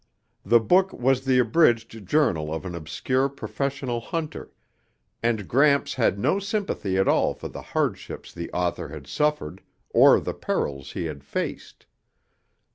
The book was the abridged journal of an obscure professional hunter, and Gramps had no sympathy at all for the hardships the author had suffered or the perils he had faced.